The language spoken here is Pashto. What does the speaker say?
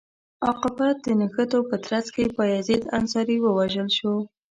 عاقبت د نښتو په ترڅ کې بایزید انصاري ووژل شو.